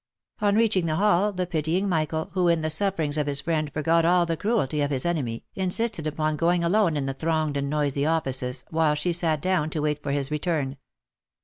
On reaching the hall, the pitying Michael, who in the sufferings of his friend forgot all the cruelty of his enemy, insisted upon going alone into the thronged and noisy offices, while she sat down to wait for his return.